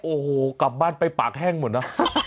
โอ้โหกลับบ้านไปปากแห้งหมดนะ